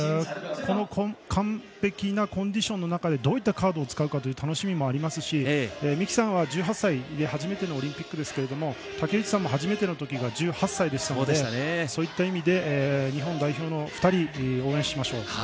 この完璧なコンディションの中でどういったカードを使うかという楽しみもありますし三木さんは１８歳で初めてのオリンピックですけども竹内さんも初めてのときが１８歳だったのでそういった意味で日本代表の２人応援しましょう。